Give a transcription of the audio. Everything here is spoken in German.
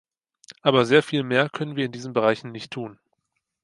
Aber sehr viel mehr können wir in diesen Bereichen nicht tun.